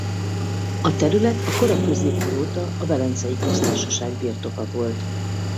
A terület a kora középkor óta a Velencei Köztársaság birtoka volt.